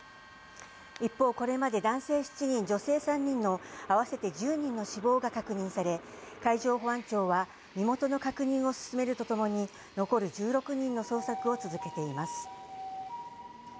一方、これまで男性７人、女性３人の合わせて１０人の死亡が確認され、海上保安庁は身元の確認を進めるとともに、残る１６人の捜索を続けています。